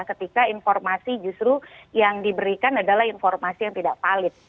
ketika informasi justru yang diberikan adalah informasi yang tidak valid